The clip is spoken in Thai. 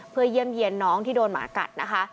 เพื่อเยี่ยมเยี่ยนน้องที่โดนหมากัดนะคะ